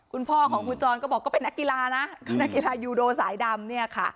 คุณพ่อของคุณจรก็บอกก็เป็นนักกีฬานะก็นักกีฬายูโดสายดำเนี่ยค่ะ